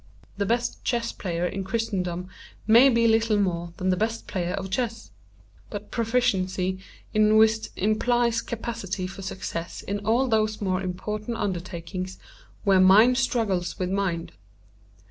The best chess player in Christendom may be little more than the best player of chess; but proficiency in whist implies capacity for success in all those more important undertakings where mind struggles with mind.